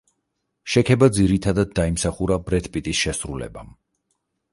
შექება ძირითადად დაიმსახურა ბრედ პიტის შესრულებამ.